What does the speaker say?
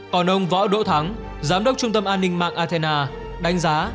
còn ông võ đỗ thắng giám đốc trung tâm an ninh mạng artena đánh giá